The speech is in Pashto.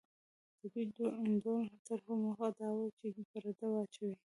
د دې ډول طرحو موخه دا وه چې پرده واچوي.